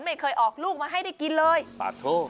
ไม่เคยออกลูกมาให้ได้กินเลยปากโท